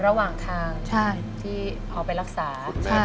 ระหว่างทางที่เอาไปรักษา